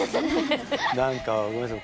何かごめんなさい